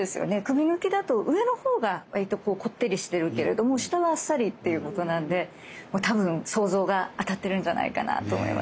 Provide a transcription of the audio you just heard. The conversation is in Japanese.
首抜きだと上のほうがわりとこってりしてるけれども下はあっさりっていうことなので多分想像が当たってるんじゃないかなと思いますね。